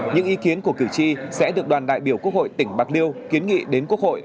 những ý kiến của cử tri sẽ được đoàn đại biểu quốc hội tỉnh bạc liêu kiến nghị đến quốc hội